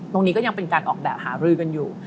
ก็ยังเป็นการออกแบบหารือกันอยู่